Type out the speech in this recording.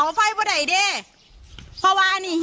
นี่จุดไฟ